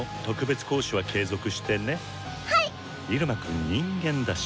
「イルマくん人間だし」。